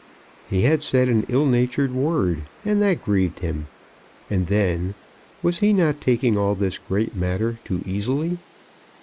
He had said an ill natured word, and that grieved him. And then, was he not taking all this great matter too easily?